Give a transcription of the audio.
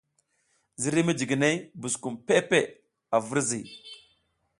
Ziriy mijiginey buskum peʼe peʼe a virzi.